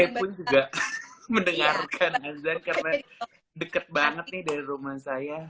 saya pun juga mendengarkan azan karena deket banget nih dari rumah saya